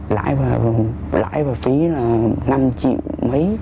lãi và phí là năm triệu mấy